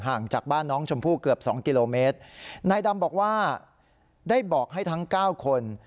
ห่างจากบ้านน้องชมพู่เกือบสองกิโลเมตรนายดำบอกว่าได้บอกให้ทั้งเก้าคน